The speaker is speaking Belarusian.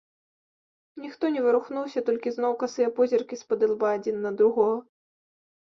Ніхто не варухнуўся, толькі зноў касыя позіркі спадылба адзін на другога.